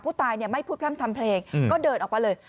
ผู้ตายงี่ไม่พูดทำเพลงก็เดินออกไปเลย